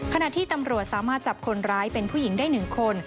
ขณะที่ตำรวจสามารถจับคนร้ายเป็นผู้หญิงได้๑คน